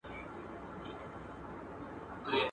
هغوی پدغه وخت کي نبيان نه وه.